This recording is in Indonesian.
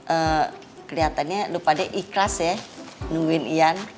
eh kelihatannya lo pade ikhlas ya nungguin ian